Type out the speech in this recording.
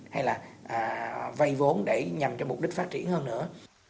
hay là vay vốn để nhằm cho mục đích phát triển hơn nữa